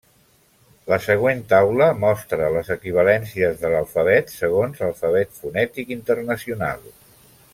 La següent taula mostra les equivalències de l'alfabet segons l'Alfabet fonètic internacional.